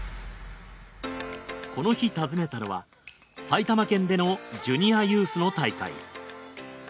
この日訪ねたのは埼玉県でのジュニアユースの大会。